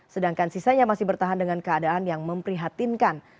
sedangkan sisanya masih bertahan dengan keadaan yang memprihatinkan